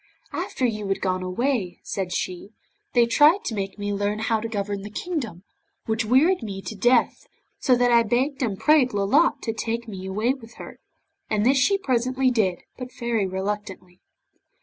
'After you had gone away,' said she, 'they tried to make me learn how to govern the kingdom, which wearied me to death, so that I begged and prayed Lolotte to take me away with her, and this she presently did, but very reluctantly.